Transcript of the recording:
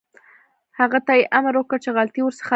هغه ته یې امر وکړ چې غلطۍ ورڅخه لرې کړي.